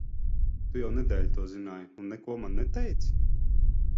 Tu jau nedēļu to zināji, un neko man neteici?